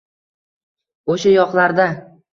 oʼsha yoqlarda